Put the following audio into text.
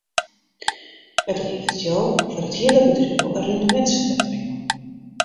It leveret jo foar it hiele bedriuw in rindemintsferbettering op.